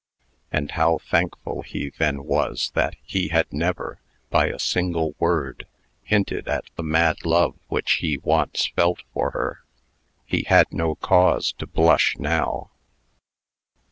And how thankful he then was that he had never, by a single word, hinted at the mad love which he once felt for her. He had no cause to blush now!